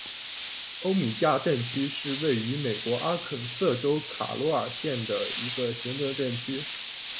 欧米加镇区是位于美国阿肯色州卡罗尔县的一个行政镇区。